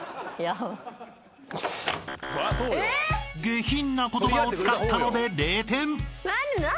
［下品な言葉を使ったので］